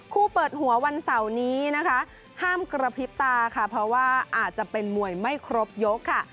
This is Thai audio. เปิดหัววันเสาร์นี้นะคะห้ามกระพริบตาค่ะเพราะว่าอาจจะเป็นมวยไม่ครบยกค่ะ